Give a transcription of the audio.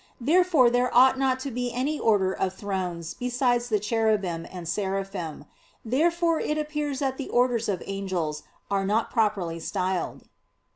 Therefore there ought not to be any order of "Thrones" besides the "Cherubim" and "Seraphim." Therefore it appears that the orders of angels are not properly styled.